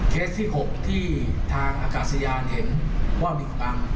เคสที่๖ที่ทางอากาศยานเห็นว่ามีความหวัง